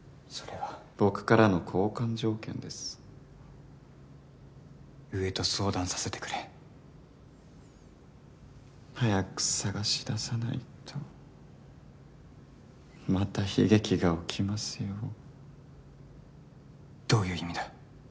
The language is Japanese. それは僕からの交換条件です上層部と相談させてくれ早く捜し出さないとまた悲劇が起きますよどういう意味だ？